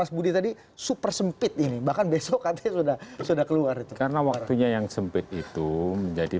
sempit ini bahkan besok kata sudah sudah keluar karena waktunya yang sempit itu menjadi